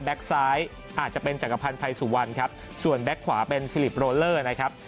ซ้ายอาจจะเป็นจักรพันธ์ภัยสุวรรณครับส่วนแก๊กขวาเป็นฟิลิปโรเลอร์นะครับ